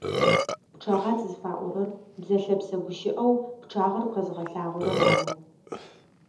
ПчъэгъацӀ зыфаӀорэр бзэ лъэпсэ гущыӏэу пчъагъэр къэзыгъэлъагъорэр ары.